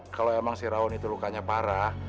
kalau emang si rawon itu lukanya parah